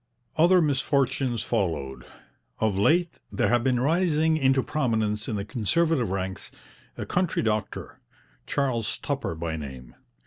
Other misfortunes followed. Of late there had been rising into prominence in the Conservative ranks a country doctor, Charles Tupper by name.